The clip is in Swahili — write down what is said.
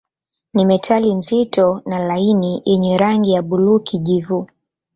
Ni metali nzito na laini yenye rangi ya buluu-kijivu.